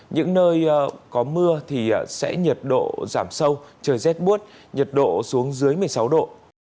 những nơi có mưa thì sẽ nhiệt độ giảm sâu trời rét bút nhiệt độ xuống dưới một mươi sáu độ